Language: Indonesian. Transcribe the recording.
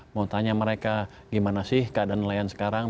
mau tanya mereka gimana sih keadaan nelayan sekarang